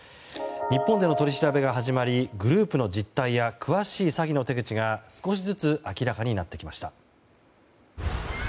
日本での取り調べが始まりグループの実態や詳しい詐欺の手口が少しずつ明らかになってきました。